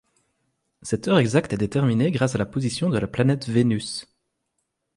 Cette heure exacte est déterminée grâce à la position de la planète Vénus.